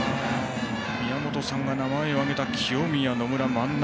宮本さんが名前を挙げた清宮、野村、万波。